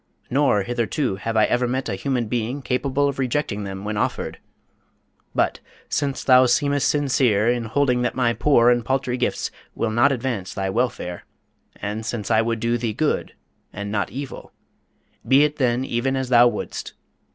Nor hitherto have I ever met a human being capable of rejecting them when offered. But, since thou seemest sincere in holding that my poor and paltry gifts will not advance thy welfare, and since I would do thee good and not evil be it even as thou wouldst.